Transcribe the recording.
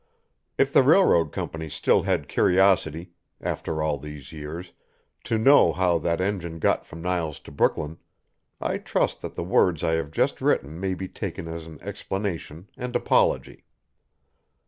If the railroad company still has curiosity, after all these years, to know how that engine got from Niles to Brooklyn, I trust that the words I have just written may be taken as an explanation and apology.